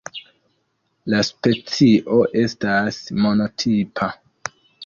La specio estas monotipa.